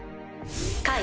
解。